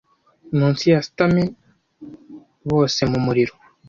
munsi ya stamen bose mumuriro